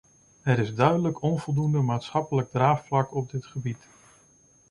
Er is duidelijk onvoldoende maatschappelijk draagvlak op dit gebied.